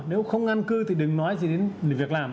nếu không an cư thì đừng nói gì đến việc làm